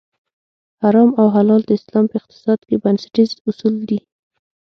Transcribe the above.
حرام او حلال د اسلام په اقتصاد کې بنسټیز اصول دي.